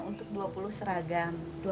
untuk dua puluh seragam